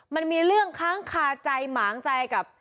มันมีเรื่องค้างคาใจหมางใจกับ